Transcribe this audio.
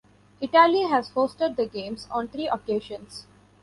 Italy has hosted the Games on three occasions.